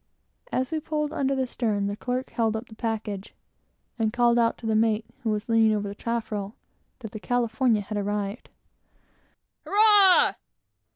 As we pulled under the stern, the clerk held up the package, and called out to the mate, who was leaning over the taffrail, that the California had arrived. "Hurrah!"